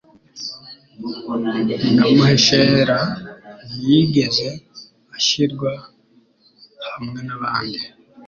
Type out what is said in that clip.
Nyamuheshera ntiyigeze ashirwa hamwe n abandi,